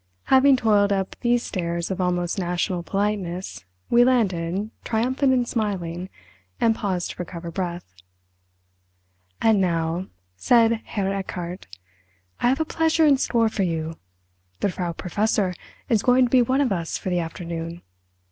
Having toiled up these stairs of almost national politeness we landed, triumphant and smiling, and paused to recover breath. "And now," said Herr Erchardt, "I have a pleasure in store for you. The Frau Professor is going to be one of us for the afternoon.